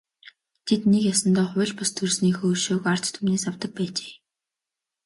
Тэд нэг ёсондоо хууль бус төрснийхөө өшөөг ард түмнээс авдаг байжээ.